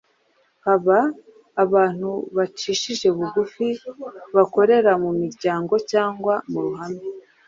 haba ahantu hacishije bugufi bakorera mu miryango cyangwa mu ruhame.